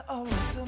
mau siap siap